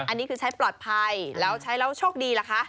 อันนี้คือใช้ปลอดภัยแล้วใช้แล้วโชคดีล่ะคะ